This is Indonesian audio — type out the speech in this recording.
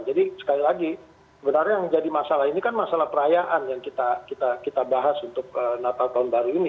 jadi sekali lagi sebenarnya yang menjadi masalah ini kan masalah perayaan yang kita bahas untuk natal tahun baru ini